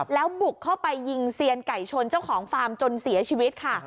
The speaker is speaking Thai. แล้วบุกเข้าไปยิงเซียนไก่ชนเจ้าของฟาร์มจนเสียชีวิตค่ะ